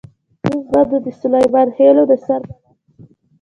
اوس به نو د سلیمان خېلو د سر بالښت شي.